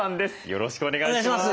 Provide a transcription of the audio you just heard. よろしくお願いします。